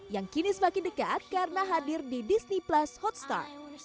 yang kini semakin dekat karena hadir di disney plus hotstar